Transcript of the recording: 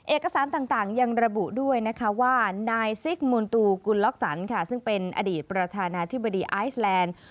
เอกสารต่างยังระบุด้วยนะคะว่านายซิกมูลตูกุลล็อกสันค่ะซึ่งเป็นอดีตประธานาธิบดีไอซแลนด์